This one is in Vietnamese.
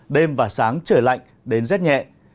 đêm và sáng trời lạnh đến rất nhẹ